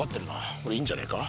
これいいんじゃねえか？